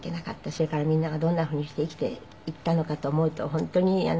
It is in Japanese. それからみんながどんなふうにして生きていったのかと思うと本当に。